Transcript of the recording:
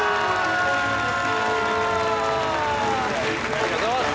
ありがとうございます。